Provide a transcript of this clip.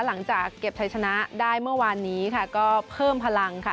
หลังจากเก็บชัยชนะได้เมื่อวานนี้ค่ะก็เพิ่มพลังค่ะ